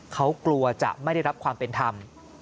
เขากลัวจะไม่ได้รับความเป็นธรรม